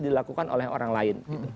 dilakukan oleh orang lain